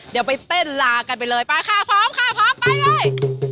เดี๋ยวไปเต้นลากันไปเลยไปค่ะพร้อมค่ะพร้อมไปเลย